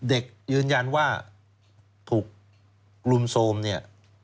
เด็กยืนยันว่าถูกรุมโทรมเนี่ย